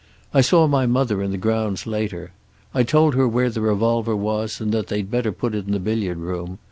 I saw my mother in the grounds later. I told her where the revolver was and that they'd better put it in the billiard room.